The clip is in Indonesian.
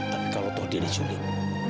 tapi kalau dia diculik